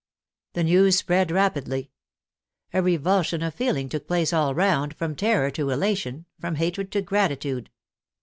The news spread rapidly. A revulsion of feeling took place all round, from terror to elation, from hatred to gratitude.